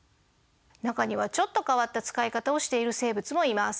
中にはちょっと変わった使い方をしている生物もいます。